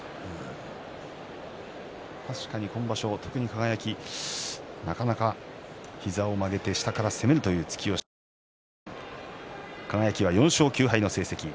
確かに今場所輝はなかなか膝を曲げて下から攻めるという突き押しが出ていません。